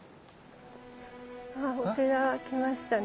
あお寺来ましたね。